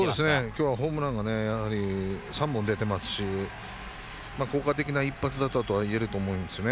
今日はホームランが３本出てますし効果的な一発だったとはいえると思うんですよね。